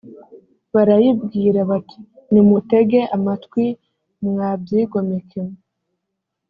barayibwira bati «nimutege amatwi, mwa byigomeke mwe.